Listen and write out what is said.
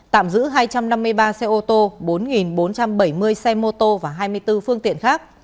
tạm giữ hai trăm năm mươi ba xe ô tô bốn bốn trăm bảy mươi xe mô tô và hai mươi bốn phương tiện khác